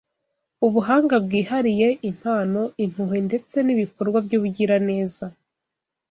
Ubuhanga bwihariye, impano, impuhwe ndetse n’ibikorwa by’ubugiraneza